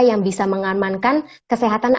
yang bisa mengamankan kesehatan